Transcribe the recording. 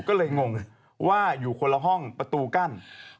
ก็เลยงงว่าอยู่คนละห้องประตูกั้น